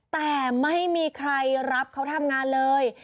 แต่ไม่มีใครรับเขาทำงานเลย